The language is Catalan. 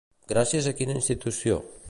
Gràcies a quina institució?